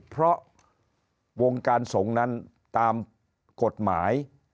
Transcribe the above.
เพราะวงการสงฆ์นั้นตามกฎหมาย